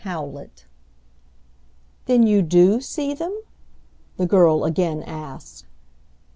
CHAPTER VII. "Then you do see them?" the girl again asked.